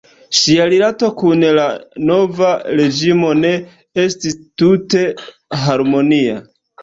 Ŝia rilato kun la nova reĝimo ne estis tute harmonia.